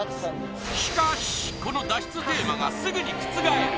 しかしこの脱出テーマがすぐに覆る